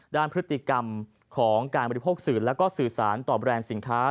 พฤติกรรมของการบริโภคสื่อแล้วก็สื่อสารต่อแบรนด์สินค้า